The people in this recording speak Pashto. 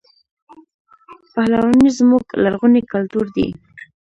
پهلواني زموږ لرغونی کلتور دی.